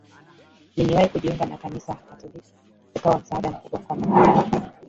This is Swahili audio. liliwahi kujiunga na Kanisa Katoliki likawa msaada mkubwa kwa Mapapa